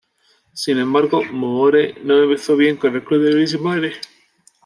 Sin embargo, Moore no empezó bien con el club de Brisbane.